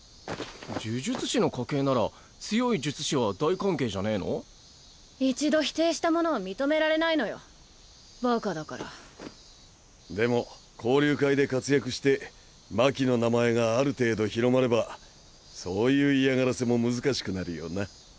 呪術師の家系なら強い術師は大歓迎じゃね一度否定したものを認められないのよでも交流会で活躍して真希の名前がある程度広まればそういう嫌がらせも難しくなるよな